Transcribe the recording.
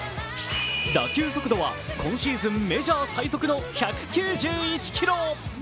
打球速度は今シーズンメジャー最速の１９１キロ。